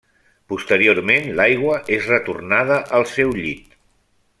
Posteriorment l'aigua és retornada al seu llit.